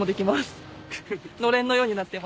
のれんのようになって。